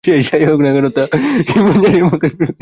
সে যাই হোক না কেন, তা ইবন জারীরের মতের বিরোধী।